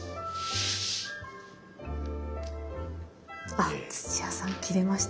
あ土屋さん切れました？